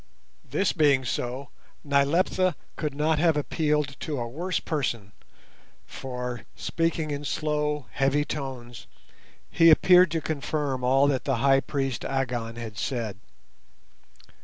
This being so, Nyleptha could not have appealed to a worse person, for, speaking in slow, heavy tones, he appeared to confirm all that the High Priest Agon had said.